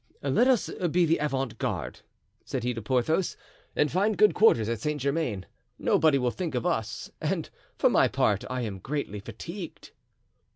"Let us be the avant guard," said he to Porthos, "and find good quarters at Saint Germain; nobody will think of us, and for my part I am greatly fatigued."